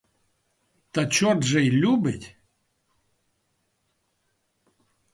Та чорт же й любить!